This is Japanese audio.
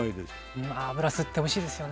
油吸っておいしいですよね。